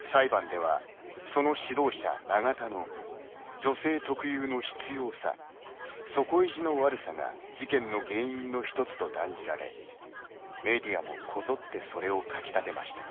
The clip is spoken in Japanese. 裁判では、その指導者・永田の女性特有の執ようさ底意地の悪さが事件の原因の１つと断じられメディアもこぞってそれを書き立てました。